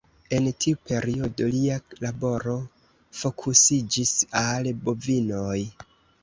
En tiu periodo lia laboro fokusiĝis al bovinoj.